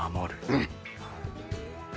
うん！